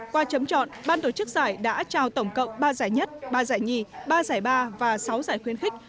qua chấm chọn ban tổ chức giải đã trao tổng cộng ba giải nhất ba giải nhì ba giải ba và sáu giải khuyến khích